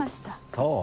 そう？